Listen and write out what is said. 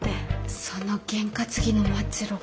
そのゲン担ぎの末路が。